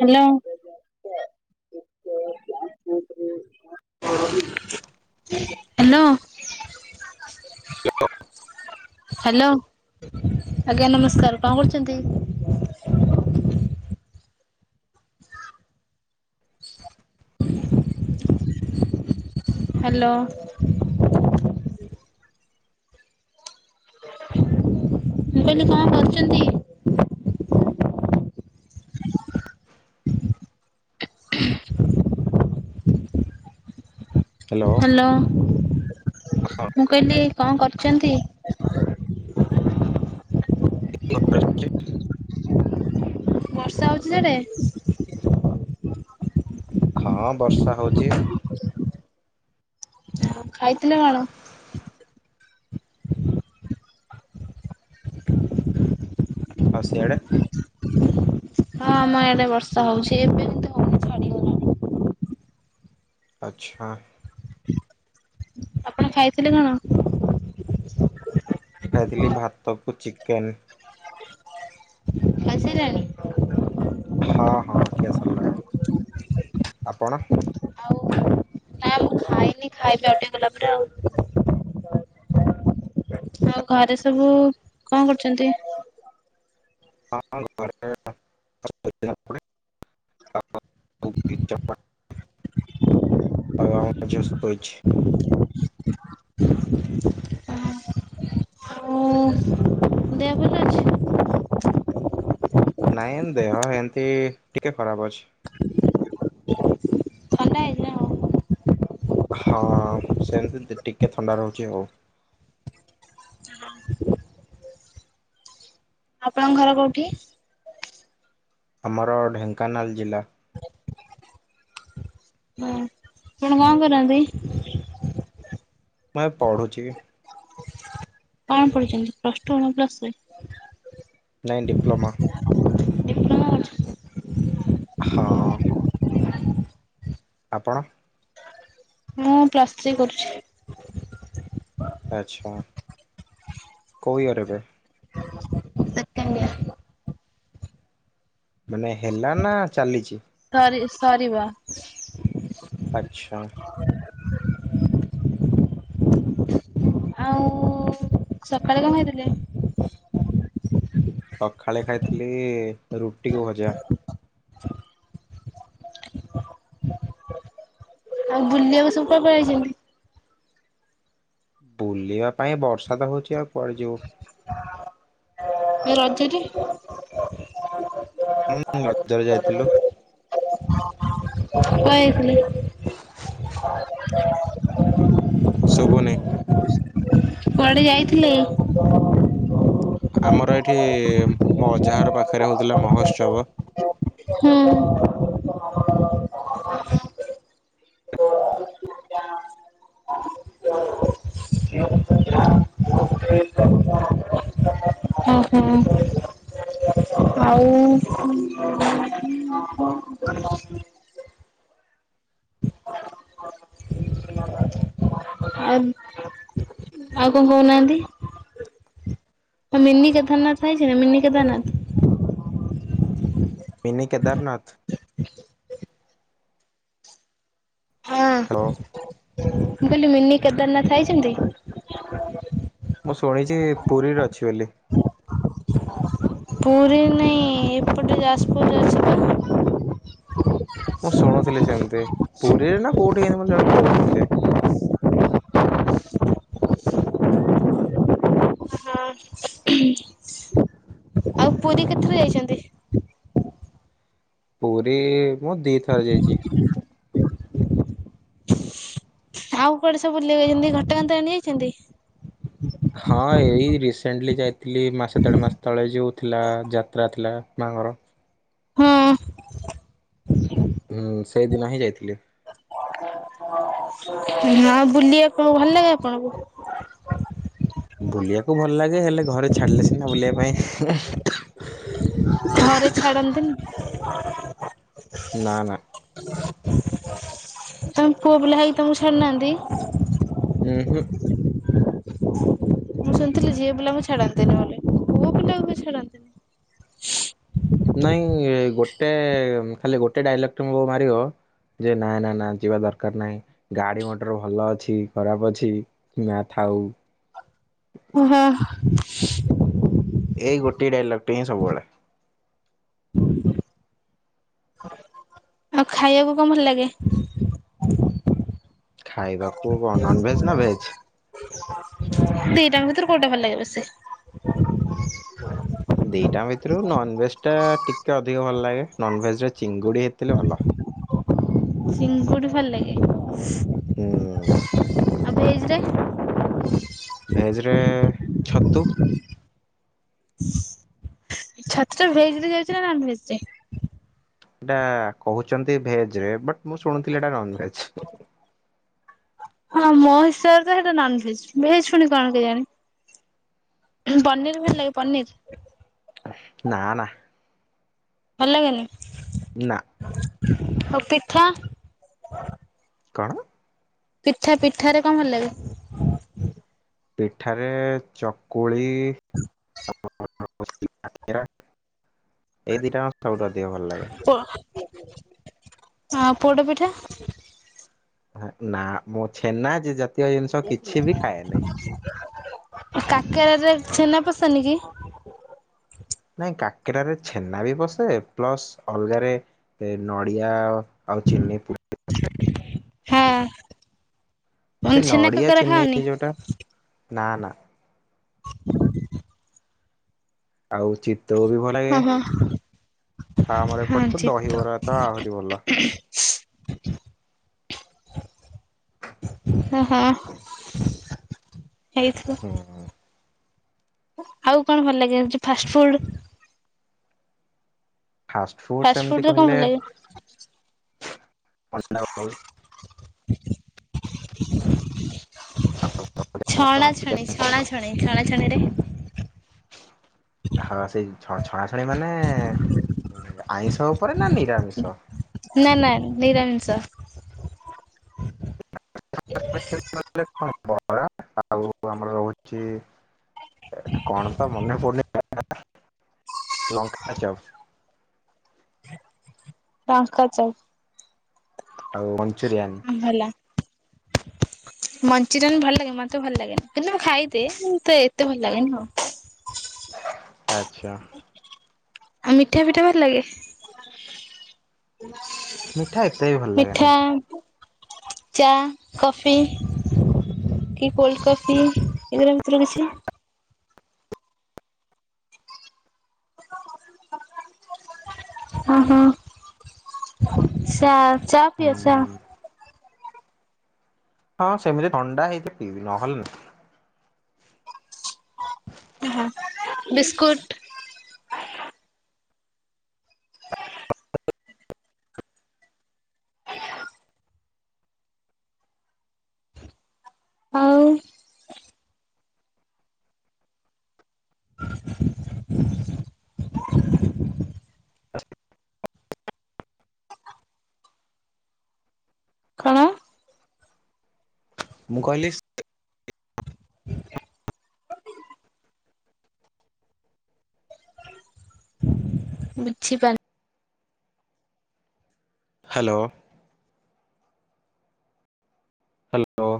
Hello ହଉ [inaudible] hello ଆଜ୍ଞା ନମସ୍କାର କଣ କରୁଛନ୍ତି? ହ୍ୟାଲୋ ମୁଁ କହିଲି କଣ କରୂଛନ୍ତି? ହ୍ୟାଲୋ ହ୍ୟାଲୋ ହଁ ମୁଁ କହିଲି କଣ କରିଚନ୍ତି? [unintelligible] ବର୍ଷା ହେଉଛି ସେଡ଼େ? ହଁ ବର୍ଷା ହଉଛି। ଉ ଖାଇଥିଲେ କଣ? ଆଉ ସିଆଡେ? ହଁ ଆମ ଇଆଡେ ବର୍ଷା ହଉଛି ଏବେବି। ଆଚ୍ଛା ଆପଣ ଖାଇଥିଲେ କଣ? ଖାଇଥିଲି ଭାତକୁ ଚିକେନ୍। ଖାଈସାଇଲେଣି? ହଁ ହଁ ଖିଆ ସରିଲାଣି, ଆପଣ? ଆଉ ନା ମୁଁ ଖାଇନି ଖାଇବି ଆଉଟିକେ ଗଲା ପରେ ଆଉ। ଆଉ ଘରେ ସବୁ କଣ କରୁଛନ୍ତି? ହଁ ଘ [unintelligible] ଆଉ ଆ ଜସ୍ତ ହୋଇଇଛି [unintelligible] ଆଉ ଦେହ ଭଲ ଅଛି ନାଇଁ ଦେହ ଏମତି ଟିକେ ଖରାପ ଅଛି। ଥଣ୍ଡା ହେଇଛି ନା କଣ? ହଁ ସେମିତି ଟିକେ ଥଣ୍ଡା ରହୁଛି ଆଉ। ହ [inaudible] ଆପଣଙ୍କ ଘର କୋଉଠି? ଆମର ଢେଙ୍କାନାଳ ଜିଲ୍ଲା। ହଁ, ଆପଣ କଣ କରନ୍ତି? ମୁଁ ଏବେ ପଢ଼ୁଚି। କଣ ପଢୁଚନ୍ତି ପ୍ଲସ୍ ଟୁ ନା ପ୍ଲସ୍ ଥ୍ରୀ? ନାଇଁ ଡିପ୍ଲମା। ଡିପ୍ଲୋମା କରୁଛନ୍ତି? ହଁ। ଆପଣ? ମୁଁ ପ୍ଲସ ଥ୍ରି କରୁଛି। ଆଚ୍ଛା, କୋଉ ଇୟର୍ ଏବେ? Second year. ମାନେ ହେଲା ନା ଚାଲିଚି? ସରି ସରିବ। ଆଚ୍ଛା। ଆଉ ସକାଳେ କଣ ଖାଇଥିଲେ? ସଖାଳେ ଖାଇଥିଲି ରୁଟିକୁୁ ଭଜା। ଆଉ ବୁଲିଆକୁ ସବୁ [inaudible] ବୁଲିବା ପାଇଁ ବର୍ଷା ତ ହଉଚି ଆଉ କୁଆଡେ ଯିବୁ। ଏ ରଜରେ ହୁଁ ରଜରେ ଯାଇଥିଲୁ। [unintelligible] ଯାଇଥିଲେ? ଶୁଭୁନି। କୁଆଡେ ଯାଇଥିଲେ? [inaudible] ଆମର ଏଇଠି ମୋ ଅଜାଘର ପାଖେରେ ହଉଥିଲା ମହୋତ୍ସବ। ହୁଁ। ଓହୋ, ଆଉ [inaudible] [inaudible] ଆ ଆଉ କଣ କହୁନାହାନ୍ତି। [unintelligible] ମିନି କେଦାରନାଥ [unintelligible] ମିନିକେଦାରନାଥ? ମିନି କେଦାରନାଥ? ହଁ ହାଲୋ। ମୁଁ କହିଲି ମିନି କେଦାରନାଥ ଯାଇଚନ୍ତି? ମୁଁ ଶୁଣିଚି ପୁରୀରେ ଅଛି ବୋଲି। ପୁରୀ ନାଇଁ ଏପଟେ ଯାଜପୁରରେ ଅଛି ବା। ମୁଁ ଶୁଣୁଥିଲି ସେମ୍ତି, ପୁରୀରେ ନା କୋଉଠି [unintelligible] ମତେ ଜଣେ କହୁଥିଲେ। ହଁ ଆଉ ପୁରୀ କେତେଥର ଯାଇଚନ୍ତି? ପୁରୀ ମୁଁ ଦି ଥର ଯାଇଚି। ଆଉ କୁଆଡେ ସବୁ ବୁଲିଆକୁ ଯାଇଚନ୍ତି, ଘଟଗାଁ ତାରେଣି ଯାଇଚନ୍ତି? ହଁ ଏଇ ରିସେଣ୍ଟଲି ଯାଇଥିଲି ମାସେ ଦେଢ଼ ମାସ ତଳେ ଯୋଉ ଥିଲା ଯାତ୍ରା ଥିଲା ମା ଙ୍କର। ହଁ। ହୁଁ, ସେଇଦିନ ହିଁ ଯାଇଥିଲି। ହଁ ନା ବୁଲିବା କଣଙ୍କୁ ଭଲ ଲାଗେ ଆପଣଙ୍କୁ? ବୁଲିବାକୁ ଭଲ ଲାଗେ ହେଲେ ଘରେ ଛାଡିଲେ ସିନା ବୁଲିବା ପାଇଁ। ଘରେ ଛାଡ଼ନ୍ତିନି? ନା ନା ତମେ ପୁଅ ପିଲା ହେଇ ତମକୁ ଛାଡୁନାହାନ୍ତି? ଓ ହୁଁ ମୁଁ ଝିଅ ପିଲା ଙ୍କୁ ଛାଡନ୍ତିନି ବୋଲି ପୁଅ ପିଲାକୁ ବି ଛାଡାନ୍ତିନି? ନାଇଁ ଗୋଟେ ଖାଲି ଗୋଟେ ଡାଇଲଗ ଟେ ବୋଉ ମାରିବ ଯେ ନା ନା ନା ଯିବା ଦରକାର ନାହିଁ ଗାଡି ମଟର ଭଲ ଅଛି ଖରାପ ଅଛି। ନା ଥାଉ ଓ ହଁ ଏଇ ଗୋଟିଏ ଡାଇଲକ୍ ହିଁ ସବୁବେଳେ ଆଉ ଖାଇବାକୁ କଣ ଭଲ ଲାଗେ? ଖାଇବାକୁ କଣ ନନ ଭେଜ୍ ନା ଭେଜ୍? ଦିଟାଙ୍କ ଭିତୁରୁ କଉଟା ଭଲ ଲାଗେ ବେସି? ଦିଟାଙ୍କ ଭିତୁରୁ ନନଭେଜ ଟା ଟିକେ ଅଧିକ ଭଲ ଲାଗେ। ନନଭେଜ ରେ ଚିଙ୍ଗୁଡି ହେଇଥିଲେ ଭଲ। ଚିଙ୍ଗୁଡି ଭଲ ଲାଗେ। ହୁଁ। ଆଉ ଭେଜରେ? ଭେଜରେ ଛତୁ। ଛତୁ ଭେଜ ରେ ଯାଉଛି ନା ନନ ଭେଜ ରେ? ଏଟା କହୁଚନ୍ତି ଭେଜ ରେ ବଟ ମୁଁ ଶୁଣୁଥିଲି ଏଟା ନନ ଭେଜ। ହଁ ମୋ ହିସାବରେ ତ ହେଟା ନନ ଭେଜ ଭେଜ ଫୁଣି କଣ କେ ଜାଆଣି? ପନିର ଭଲ ଲାଗେ ପନିର? ନା ନା। ଭଲ ଲାଗେନି? ନା। ଆଉ ପିଠା? କଣ? ପିଠା ପିଠାରେ କଣ ଭଲ ଲାଗେ? ପିଠାରେ ଚକୁଳି ଆଉ [unintelligible] ଏଇ ଦିଟାଙ୍କ ସବୁଠୁ ଅଧିକ ଭଲ ଲାଗେ। ଆଉ ପୋଡ ପିଠା? ନା ମୁଁ ଛେନା ଯେ ଜାତୀୟ ଜିନିଷ କିଛି ବି ଖାଏନି। କାକେରାରେ ଛେନା ପସେନି କି? ନାଇଁ କାକେରାରେ ଛେନା ବି ବସେ ପ୍ଲସ ଅଲଗାରେ ନଡ଼ିଆ ଆଉ ଚିନି ପୁ ହଁ। ମୁଁ ସେ ଛେନା ନଡ଼ିଆ କାକରା ଚିନି ଖାଅନି? ଯୋଉଟା ନା ନା। ଆଉ ଚିତ୍ତଉ ବି ଭଲ ଲାଗେ ଓହୋ। ଆମର ହଁ ଏପଟେ ତ ଦହିବରା ତ ଆହୁରି ଭଲ। [inaudible] ହଁ ହଁ ହେଇଥିବ। ହୁଁ। ଆଉ କଣ ଭଲ ଲାଗେ ହଉଚି ଫାଷ୍ଟ ଫୁଡ୍? ଫାଷ୍ଟ ଫୁଡ ସେମିତି ରେ କଣ କହିଲେ ଭଲ ଲାଗେ? [unintelligible] [inaudible] ଛଣାଛଣି ଛଣା ଛଣି ଚିକେନ ଛଣା ଛଣିରେ? ହଁ ସେଇ ଛ ଛଣାଛଣି ମାନେ-ଏ-ଏ-ଏ ଆଇଁଷ ଉପରେ ନା ନିରାମିଷ? ନା ନା ନିରାମିଷ। [unintelligible] ବରା ଆଉ ଆମର ହଉଛି ଏଟା କଣ ତ ମନେ ପଡୁନି [unintelligible] ଲଙ୍କା ଚପ। ତାଙ୍କ ଚପ୍। ଆଉ ମଞ୍ଚୁରିଆନ। ହେଲା। ମଞ୍ଚୁରିଆନ ଭଲ ଲାଗେ ମତେ ଭଲ ଲାଗେନି କିନ୍ତୁ ମୁଁ ଖାଇ ଦିଏ କିନ୍ତୁ ଏତେ ଭଲ ଲାଗେନି ଆଉ। ଆଛା। ଆଉ ମିଠା ପିଠା ଭଲ ଲାଗେ? ମିଠା ଏତେ ବି ଭଲ ଲାଗେନି ମିଠା, ଚା, କଫି କି କୋଲ୍ଡ କଫି ଏଗୁରା ଭିତରୁ କିଛି? [unintelligible] ଉ ହୁଁ ଚା ଚା ପିଅ ଚା? ହୁଁ ହଁ ସେମିତି ଥଣ୍ଡା ହେଇଥିଲେ ପିଇବି ନହେଲେ ନା। ହଁ ବିସ୍କୁଟ୍ ଆଉ କଣ ମୁଁ କହିଲି ବୁଝିପାରୁ ହ୍ୟାଲୋ। ହ୍ୟାଲୋ।